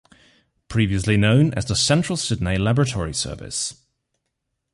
Previously known as the Central Sydney Laboratory Service.